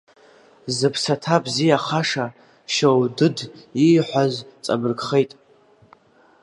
Зыԥсаҭа бзиахаша Шьоудыд ииҳәаз ҵабыргхеит…